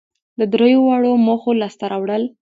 د درېواړو موخو لاسته راوړل